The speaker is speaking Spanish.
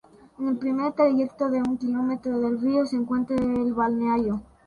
En el primer trayecto de un kilómetro del río se encuentra el balneario.